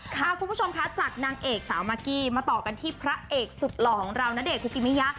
คุณผู้ชมคะจากนางเอกสาวมากกี้มาต่อกันที่พระเอกสุดหล่อของเราณเดชคุกิมิยะ